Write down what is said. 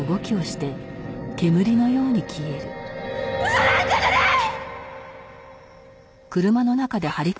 嘘なんかじゃない！